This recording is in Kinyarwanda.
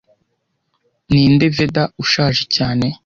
Ninde Veda ushaje cyane